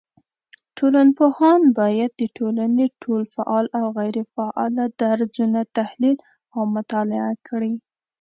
ټولنپوهان بايد د ټولني ټول فعال او غيري فعاله درځونه تحليل او مطالعه کړي